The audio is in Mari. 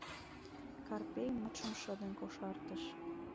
— Карпей мутшым шыдын кошартыш.